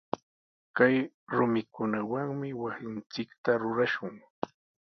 Kay rumikunawami wasinchikta rurashun.